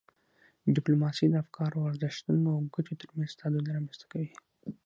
ډیپلوماسي د افکارو، ارزښتونو او ګټو ترمنځ تعادل رامنځته کوي.